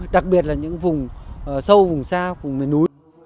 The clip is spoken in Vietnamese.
đặc biệt là những vùng sâu vùng xa vùng miền núi